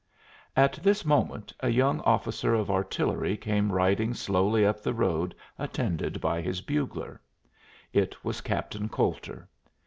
At this moment a young officer of artillery came riding slowly up the road attended by his bugler. It was Captain Coulter.